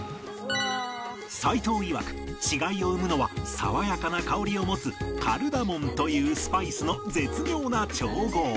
齋藤いわく違いを生むのは爽やかな香りを持つカルダモンというスパイスの絶妙な調合